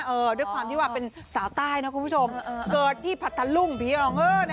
ด้วยความที่ว่าเป็นสาวใต้นะคุณผู้ชมเกิดที่ผัดทะลุงผีรองเออ